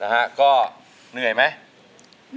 ก็เหนื่อยไหม